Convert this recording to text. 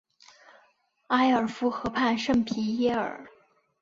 埃尔夫河畔圣皮耶尔。